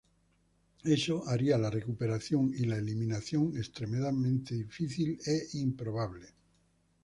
Eso haría la recuperación y la eliminación extremadamente difícil e improbable.